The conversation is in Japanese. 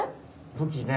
武器ね。